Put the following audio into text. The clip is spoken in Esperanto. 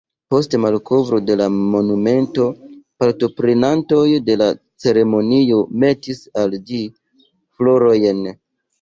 Post malkovro de la monumento partoprenantoj de la ceremonio metis al ĝi florojn.